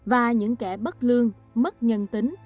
và những kẻ bất lương mất nhân tính